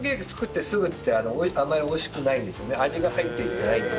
味が入っていってないんで。